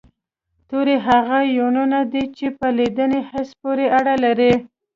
توري هغه يوونونه دي چې په لیدني حس پورې اړه لري